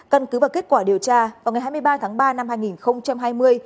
căn cứ vào kết quả điều tra vào ngày hai mươi ba tháng ba năm hai nghìn hai mươi